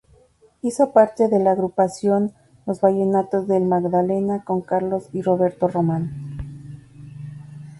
Hizo parte de la agrupación Los Vallenatos del Magdalena con Carlos y Roberto Román.